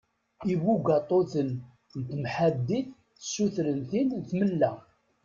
Ibugaṭuten n temḥaddit ssutren tin tmella.